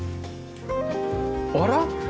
あら？